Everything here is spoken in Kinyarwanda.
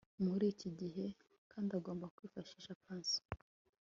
muri iki gihe, kandi agomba kwifashisha pansiyo